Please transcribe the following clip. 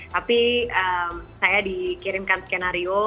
tapi saya dikirimkan skenario